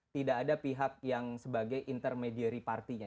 tidak ada pihak yang sebagai intermediary partinya